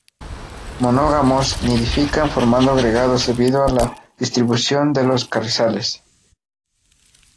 Monógamos, nidifican formando agregados debido a la distribución de los carrizales.